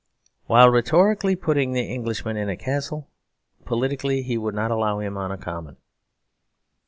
While rhetorically putting the Englishman in a castle, politically he would not allow him on a common.